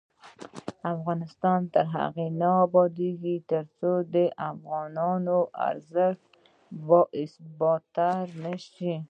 افغانستان تر هغو نه ابادیږي، ترڅو د افغانۍ ارزښت باثباته نشي.